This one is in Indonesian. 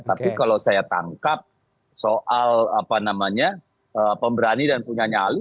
tapi kalau saya tangkap soal pemberani dan punya nyali